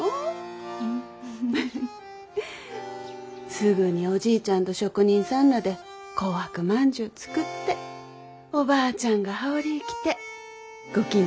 すぐにおじいちゃんと職人さんらで紅白まんじゅう作っておばあちゃんが羽織着てご近所さんに配って。